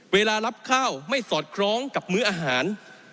เวลารับข้าวไม่สอดคล้องกับมื้ออาหาร